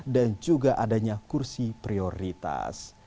dan juga adanya kursi prioritas